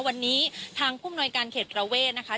วันนี้ทางผู้มนวยการเขตประเวทนะคะ